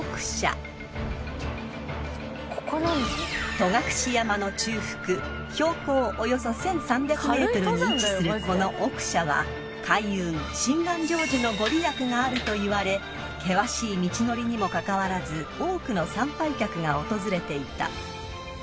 ［戸隠山の中腹標高およそ１，３００ｍに位置するこの奥社は開運心願成就の御利益があるといわれ険しい道のりにもかかわらず多くの参拝客が訪れていた］